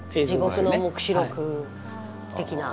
「地獄の黙示録」的な。